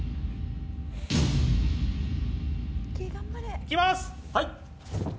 いきます！